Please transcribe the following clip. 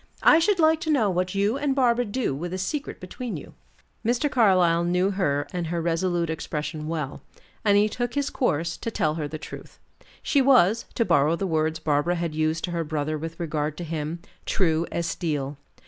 I should like to know what you and Barbara do with a secret between you." Mr. Carlyle knew her and her resolute expression well, and he took his course, to tell her the truth. She was, to borrow the words Barbara had used to her brother with regard to him, true as steel.